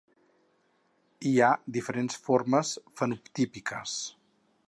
Hi ha diferents formes fenotípiques.